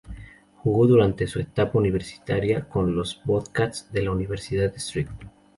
Jugó durante su etapa universitaria con los "Bobcats" de la Universidad de St.